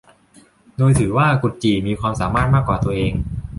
โดยถือว่ากุดจี่มีความสามารถมากกว่าตัวเอง